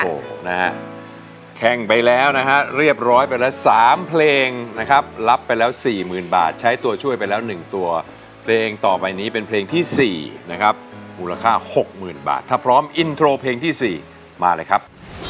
โอ้โหนะฮะแข่งไปแล้วนะฮะเรียบร้อยไปแล้ว๓เพลงนะครับรับไปแล้ว๔๐๐๐บาทใช้ตัวช่วยไปแล้ว๑ตัวเพลงต่อไปนี้เป็นเพลงที่๔นะครับมูลค่า๖๐๐๐บาทถ้าพร้อมอินโทรเพลงที่๔มาเลยครับ